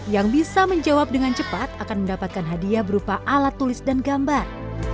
yang bisa menjawab dengan cepat akan mendapatkan hadiah berupa alat tulis dan gambar